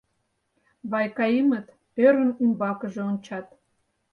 Вайкаимыт, ӧрын, ӱмбакыже ончат.